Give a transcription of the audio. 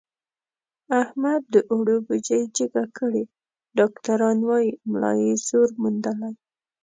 احمد د اوړو بوجۍ جګه کړې، ډاکټران وایي ملا یې زور موندلی.